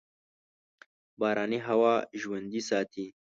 باراني هوا ژوندي ساتي.